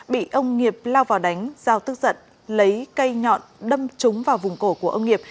bị ông nghiệp lao vào đánh giao tức giận lấy cây nhọn đâm trúng vào vùng cổ của ông nghiệp